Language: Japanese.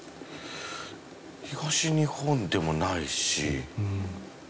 東日本でもないし。